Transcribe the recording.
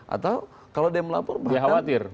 atau kalau dia melapor dia khawatir